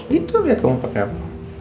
gitu kayak apa